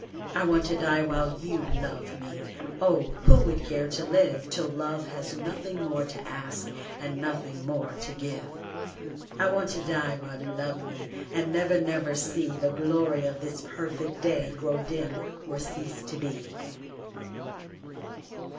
I want to die while you love me Oh, who would care to live Till love has nothing more to ask And nothing more to give! I want to die while you love me And never, never see The glory of this perfect day Grow dim or cease to be.